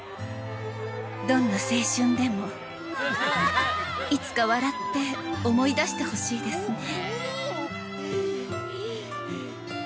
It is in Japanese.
どんな青春でもいつか笑って思い出してほしいですね。